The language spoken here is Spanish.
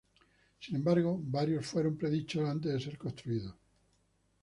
Sin embargo varios fueron predichos antes de ser construidos.